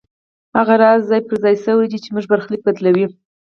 هغه راز ځای پر ځای شوی چې زموږ برخليک بدلوي.